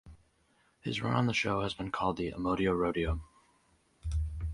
His run on the show has been called the "Amodio Rodeo".